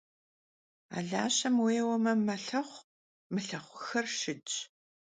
Alaşem vuêueme, melhexhu, mılhexhuxxer şşıdş.